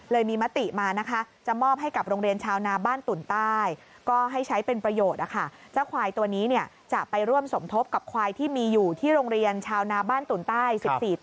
เลยมีมติมานะคะจะมอบให้กับโรงเรียนชาวนาบ้านตุ๋นใต้